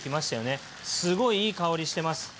すごいいい香りしてます。